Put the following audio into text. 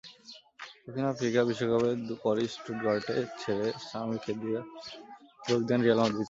দক্ষিণ আফ্রিকা বিশ্বকাপের পরই স্টুটগার্ট ছেড়ে স্যামি খেদিরা যোগ দেন রিয়াল মাদ্রিদে।